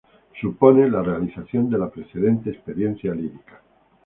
Supone “la realización de la precedente experiencia lírica.